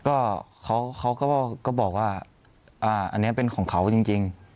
ก็เขาก็บอกว่าอันนี้เป็นของเขาจริง